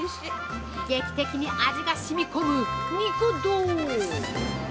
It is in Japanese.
劇的に味がしみこむ肉道。